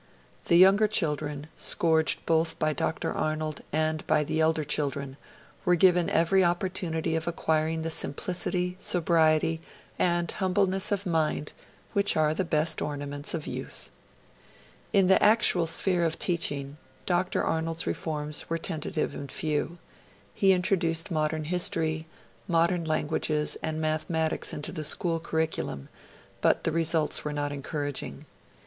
The younger children, scourged both by Dr Arnold and by the elder children, were given every opportunity of acquiring the simplicity, sobriety, and humbleness of mind, which are the best ornaments of youth. In the actual sphere of teaching, Dr. Arnold's reforms were tentative and few. He introduced modern history, modern languages, and mathematics into the school curriculum; but the results were not encouraging.